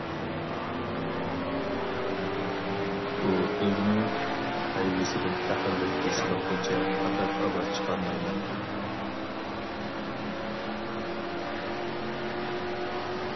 ئۇ ئۆزىنىڭ ھەيۋىسىدىن پەخىرلىك ھېس قىلغۇچە پەقەت ئاۋاز چىقارمايمەن.